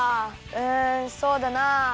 うんそうだなあ。